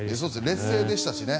劣勢でしたしね。